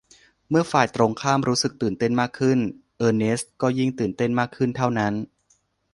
เมื่อฝ่ายตรงข้ามรู้สึกตื่นเต้นมากขึ้น เออร์เนสต์ก็ยิ่งตื่นเต้นมากขึ้นเท่านั้น